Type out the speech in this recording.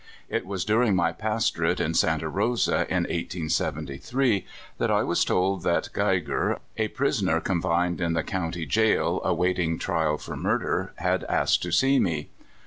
It was during my pastorate in Santa Rosa in 1873 that I was told that Geiger, a prisoner con fined in the county jail, awaiting trial for murder, had asked to see me.